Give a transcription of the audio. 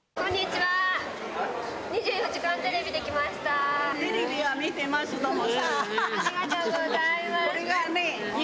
はい。